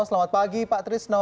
selamat pagi pak trisno